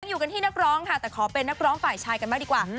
อยู่กันที่นักร้องค่ะแต่ขอเป็นนักร้องฝ่ายชายกันบ้างดีกว่า